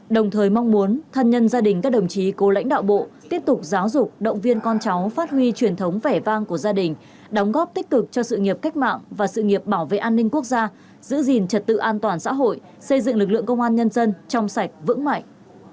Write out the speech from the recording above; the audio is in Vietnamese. đồng thời mong muốn thân nhân gia đình các đồng chí cố lãnh đạo bộ tiếp tục giáo dục động viên con cháu phát huy truyền thống vẻ vang của gia đình đóng góp tích cực cho sự nghiệp cách mạng và sự nghiệp bảo vệ an ninh quốc gia giữ gìn trật tự an toàn xã hội xây dựng lực lượng công an nhân dân trong sạch vững mạnh